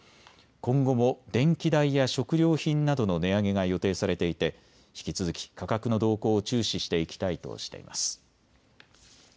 今後も電気代や食料品などの値上げが予定されていて引き続き価格の動向を注視していきたいとしています。